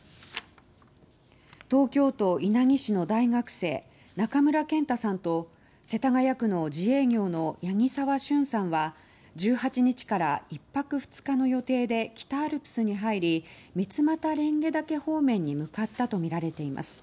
東京都稲城市の大学生中村健太さんと世田谷区の自営業の八木沢峻さんは１８日から１泊２日の予定で北アルプスに入り三俣蓮華岳方面に向かったとみられています。